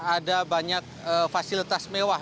ada banyak fasilitas mewah